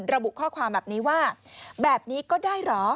ระบุข้อความแบบนี้ว่าแบบนี้ก็ได้เหรอ